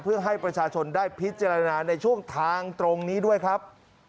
เพื่อให้ประชาชนได้พิจารณาในช่วงทางตรงนี้ด้วยครับ